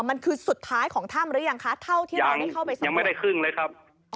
มันคือสุดท้ายของถ้ำหรือยังคะเท่าที่เราได้เข้าไปซื้อยังไม่ได้ครึ่งเลยครับ